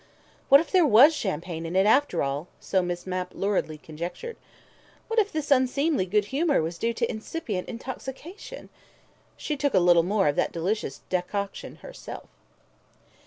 What if there was champagne in it after all, so Miss Mapp luridly conjectured! What if this unseemly good humour was due to incipient intoxication? She took a little more of that delicious decoction herself.